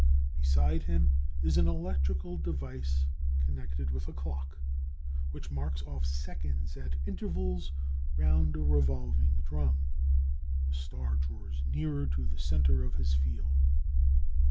Beside him is an electrical device connected with a clock, which marks off seconds at intervals round a revolving drum. The star draws nearer to the center of his field.